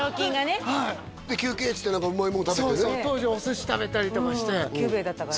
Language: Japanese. ホントにはいで休憩っつって何かうまいもん食べてね当時お寿司食べたりとかして久兵衛だったからね